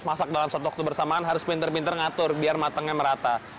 masak dalam suatu waktu bersamaan harus pinter pinter ngatur biar matangnya merata